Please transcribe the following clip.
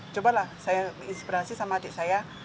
cobalah saya inspirasi sama adik saya